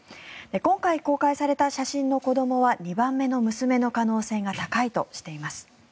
今回、公開された写真の子どもは２番目の娘の可能性が高いとしています。